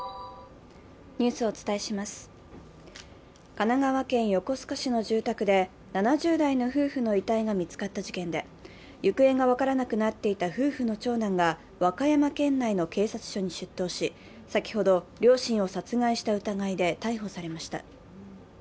神奈川県横須賀市の住宅で７０代の夫婦の遺体が見つかった事件で行方が分からなくなっていた夫婦の長男が和歌山県内の警察署に出頭し先ほど両親を殺害した疑いで逮捕されました。